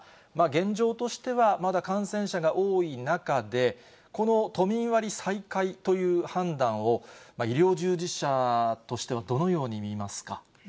現状としては、まだ感染者が多い中で、この都民割再開という判断を医療従事者としてはどのように見ます